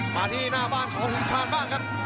มาขนาดของหุ่งชาญบ้างครับ